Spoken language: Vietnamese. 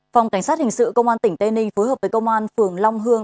phòng cảnh sát hình sự công an tỉnh tây ninh phối hợp với công an phường long hương